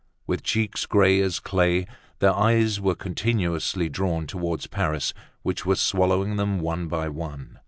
With cheeks gray as clay, their eyes were continually drawn toward Paris which was swallowing them one by one.